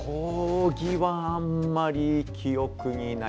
将棋はあまり記憶にない。